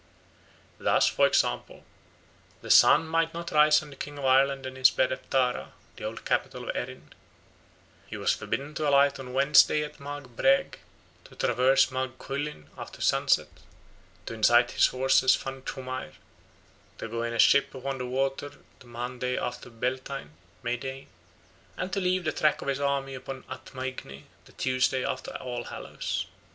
Thus, for example, the sun might not rise on the king of Ireland in his bed at Tara, the old capital of Erin; he was forbidden to alight on Wednesday at Magh Breagh, to traverse Magh Cuillinn after sunset, to incite his horse at Fan Chomair, to go in a ship upon the water the Monday after Bealltaine (May day), and to leave the track of his army upon Ath Maighne the Tuesday after All Hallows.